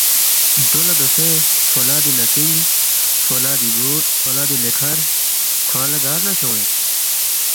دو لہ دوسے فولادی نتِنگ، فولادی بُوٹ، فولادی لیکھر کھوانگ گار نہ کھیون٘ید؟